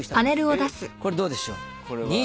これどうでしょう？